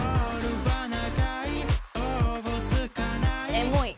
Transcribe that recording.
「エモい」